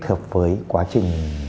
kết hợp với quá trình